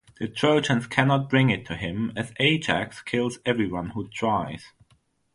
The Trojans cannot bring it to him, as Ajax kills everyone who tries.